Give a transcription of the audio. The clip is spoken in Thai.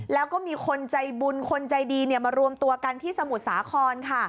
แล้วก็มีคนใจบุญคนใจดีมารวมตัวกันที่สมุทรสาคร